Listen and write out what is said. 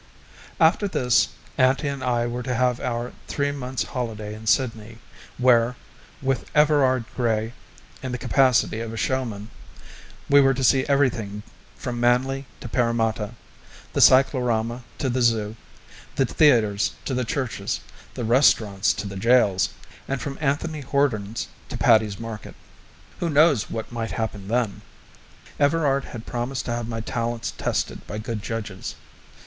After this auntie and I were to have our three months' holiday in Sydney, where, with Everard Grey in the capacity of showman, we were to see everything from Manly to Parramatta, the Cyclorama to the Zoo, the theatres to the churches, the restaurants to the jails, and from Anthony Hordern's to Paddy's Market. Who knows what might happen then? Everard had promised to have my talents tested by good judges.